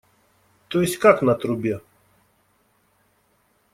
То есть как на трубе?